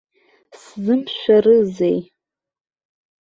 Сзымшәарызеи!